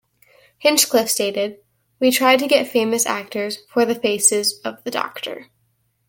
Hinchcliffe stated, We tried to get famous actors for the faces of the Doctor.